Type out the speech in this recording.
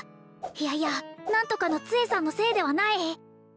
いやいや何とかの杖さんのせいではない！